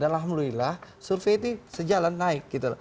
dan alhamdulillah survei itu sejalan naik gitu